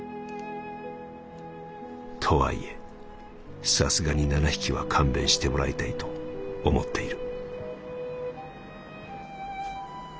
とはいえさすがに七匹は勘弁してもらいたいと思っている」。